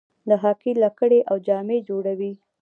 د هاکي لکړې او جامې جوړوي.